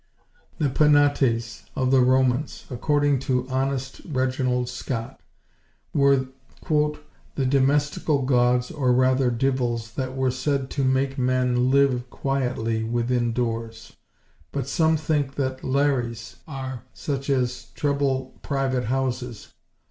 The penates of the Romans, according to honest Reginald Scot, were "the domesticall gods, or rather divels, that were said to make men live quietlie within doores. But some think that Lares are such as trouble private houses.